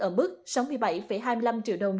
ở mức sáu mươi bảy hai mươi năm triệu đồng